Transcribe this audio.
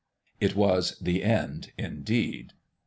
It was the end, indeed.